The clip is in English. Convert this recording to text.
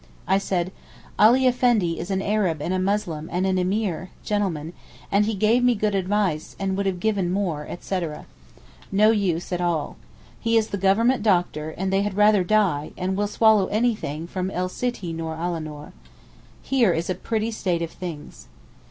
I said, 'Ali Effendi is an Arab and a Muslim and an Emeer (gentleman), and he gave me good advice, and would have given more,' etc. No use at all. He is the Government doctor, and they had rather die, and will swallow anything from el Sittee Noor ala Noor. Here is a pretty state of things.